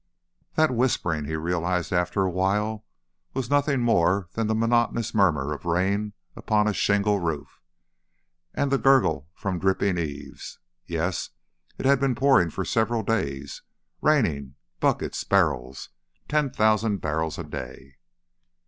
That whispering, he realized after a while, was nothing more than the monotonous murmur of rain upon a shingle roof, and the gurgle from dripping eaves. Oh yes! It had been pouring for several days; raining buckets, barrels Ten thousand barrels a day!